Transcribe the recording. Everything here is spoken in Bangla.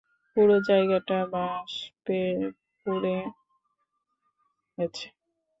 পুরো জায়গাটা বাষ্পে পুড়ে গেছে।